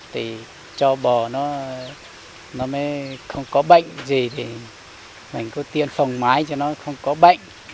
thì cho bò nó mới không có bệnh gì mình cứ tiên phòng mái cho nó không có bệnh